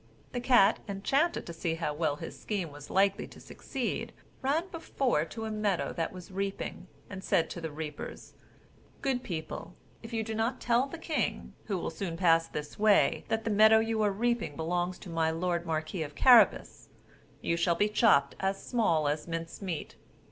The cat, enchanted to see how well his scheme was likely to succeed, ran before to a meadow that was reaping, and said to the reapers: "Good people, if you do not tell the king, who will soon pass this way, that the meadow you are reaping belongs to my lord marquis of Carabas, you shall be chopped as small as mince meat."